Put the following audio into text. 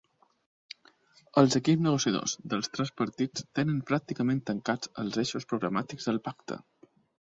Els equips negociadors dels tres partits tenen pràcticament tancats els eixos programàtics del pacte.